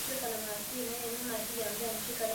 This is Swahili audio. samadi ya paka haifai kwa viazi lishe